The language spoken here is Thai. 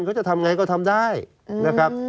เขาจะทำอย่างไรก็ทำได้นะครับ